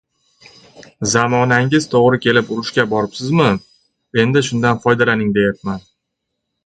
Zamonangiz to‘g‘ri kelib, urushga boribsizmi, endi shundan foydalaning deyapman!